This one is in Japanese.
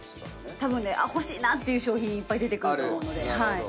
たぶん欲しいなという商品いっぱい出てくると思うので。